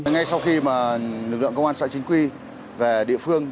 ngay sau khi lực lượng công an xã chính quy về địa phương